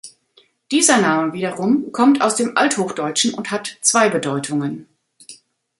Dieser Name wiederum kommt aus dem Althochdeutschen und hat zwei Bedeutungen.